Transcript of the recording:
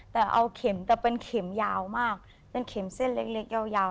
แต่เอาเข็มแต่เป็นเข็มยาวมากเป็นเข็มเส้นเล็กยาว